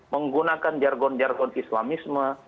menggunakan jargon jargon islamisme